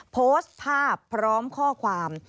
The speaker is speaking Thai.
โพสต์ภาพพร้อมข้อความ